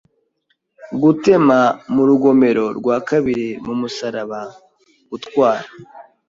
Gutema mu rugomero rwa kabiri mu musaraba gutwara